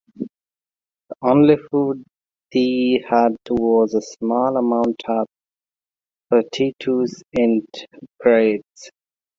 The only food they had was a small amount of potatoes and bread.